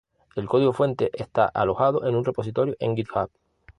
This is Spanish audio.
El código fuente está alojado en un repositorio en GitHub.